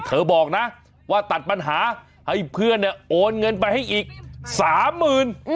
บอกนะว่าตัดปัญหาให้เพื่อนเนี่ยโอนเงินไปให้อีกสามหมื่น